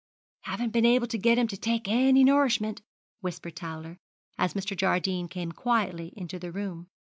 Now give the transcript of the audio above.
'Haven't been able to get him to take any nourishment,' whispered Towler, as Mr. Jardine came quietly into the room.